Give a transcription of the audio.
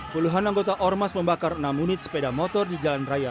puluhan anggota ormas membakar enam unit sepeda motor di jalan raya